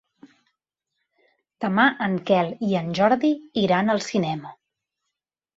Demà en Quel i en Jordi iran al cinema.